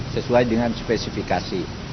sesuai dengan spesifikasi